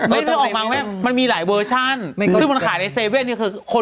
ไม่ได้ได้ออกมาแม๊ปมันมีหลายเวอร์ชันที่มันขายในเซเวนคือคนซื้อเยอะมาก